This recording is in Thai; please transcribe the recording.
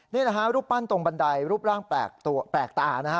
นี่แหละฮะรูปปั้นตรงบันไดรูปร่างแปลกตานะฮะ